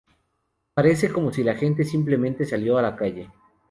Parece como si la gente simplemente salió a la calle.